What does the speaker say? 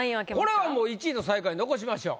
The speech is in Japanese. これはもう１位と最下位残しましょう。